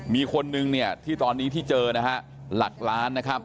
มีคนนึงที่ตอนนี้ที่เจอหลักล้าน